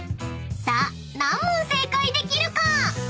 ［さあ何問正解できるか？］